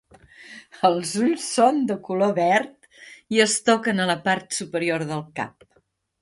Els ulls són de color verd i es toquen a la part superior del cap.